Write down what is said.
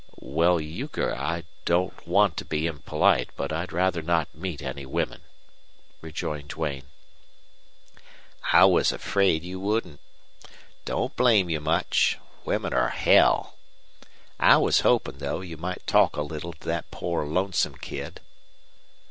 "Well, Euchre, I don't want to be impolite, but I'd rather not meet any women," rejoined Duane. "I was afraid you wouldn't. Don't blame you much. Women are hell. I was hopin', though, you might talk a little to thet poor lonesome kid."